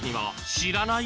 知らない？